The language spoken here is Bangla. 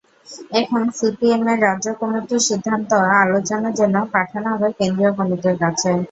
এখন সিপিএমের রাজ্য কমিটির সিদ্ধান্ত আলোচনার জন্য পাঠানো হবে কেন্দ্রীয় কমিটির কাছে।